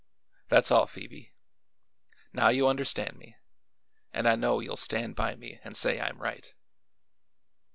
That's all, Phoebe. Now you understand me, and I know you'll stand by me and say I'm right."